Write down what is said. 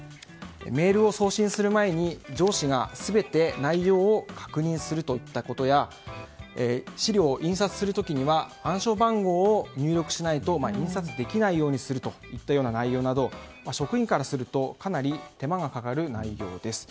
メールを送信する前に上司が全て内容を確認するといったことや資料を印刷する時には暗証番号を入力しないと印刷できないようにするといった内容など職員からするとかなり手間がかかる内容です。